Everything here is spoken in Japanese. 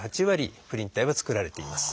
プリン体は作られています。